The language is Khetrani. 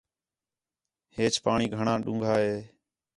ہیچ پاݨی گھݨاں ݙُونگھا ہِے